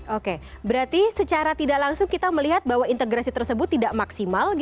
oke berarti secara tidak langsung kita melihat bahwa integrasi tersebut tidak maksimal